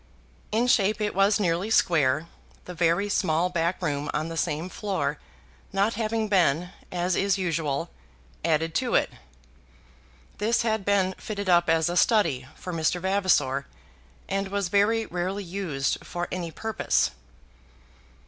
In shape it was nearly square, the very small back room on the same floor not having been, as is usual, added to it. This had been fitted up as a "study" for Mr. Vavasor, and was very rarely used for any purpose.